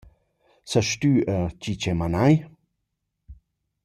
Sast tü a chi ch’eu manai?